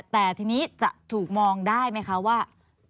แต่ทีนี้จะถูกมองได้ไหมคะว่า